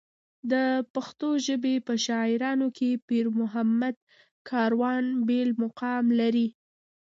د پښتو ژبې په شاعرانو کې پېرمحمد کاروان بېل مقام لري.